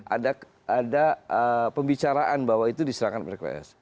ada pembicaraan bahwa itu diserahkan pks